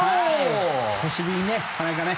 久しぶりに田中ね。